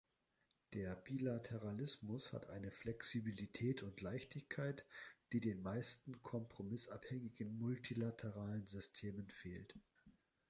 Der Bilateralismus hat eine Flexibilität und Leichtigkeit, die den meisten kompromissabhängigen multilateralen Systemen fehlt.